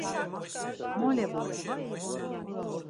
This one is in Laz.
Mole vore.